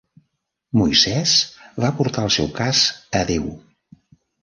Moisès va portar el seu cas a Déu.